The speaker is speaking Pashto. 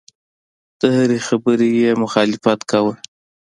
د هرې خبرې یې مخالفت کاوه.